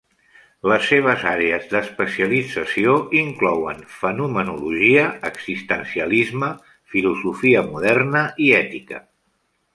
Les seves àrees d'especialització inclouen fenomenologia, existencialisme, filosofia moderna i ètica.